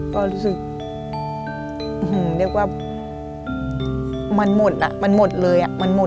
ก็รู้สึกว่ามันหมดมันหมดเลย